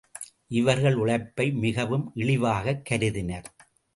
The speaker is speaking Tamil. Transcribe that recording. இவர்கள் உழைப்பை மிகவும் இழிவாகக் கருதினர்.